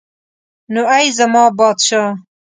نو ای زما پادشاه.